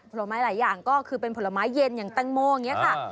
ผลไม้หลายอย่างก็คือเป็นผลไม้เย็นอย่างแตงโมอย่างนี้ค่ะ